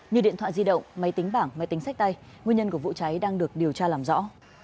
như điện thoại di động máy tính bảng máy tính sách tay nguyên nhân của vụ cháy đang được điều tra làm rõ